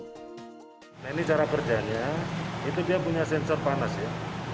nah ini cara kerjanya itu dia punya sensor panas ya